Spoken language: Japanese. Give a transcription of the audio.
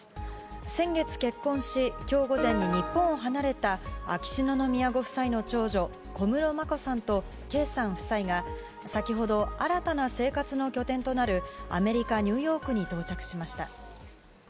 先月結婚し今日午前に日本を離れた秋篠宮ご夫妻の長女小室眞子さんと圭さん夫妻が先ほど、新たな生活の拠点となるアメリカ・ニューヨークに到着しました。